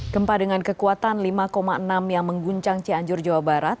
gempa dengan kekuatan lima enam yang mengguncang cianjur jawa barat